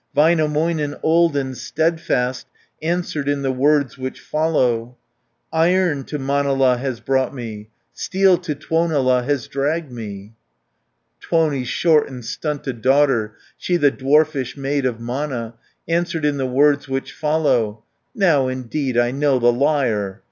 Väinämöinen, old and steadfast, Answered in the words which follow: "Iron to Manala has brought me, Steel to Tuonela has dragged me." 200 Tuoni's short and stunted daughter She the dwarfish maid of Mana, Answered in the words which follow: "Now, indeed, I know the liar!